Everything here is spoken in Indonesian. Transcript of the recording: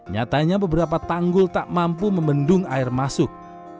nyatanya beberapa tanggul tak mampu membendung air masuk